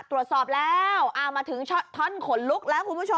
ตรวจสอบแล้วมาถึงท่อนขนลุกแล้วคุณผู้ชม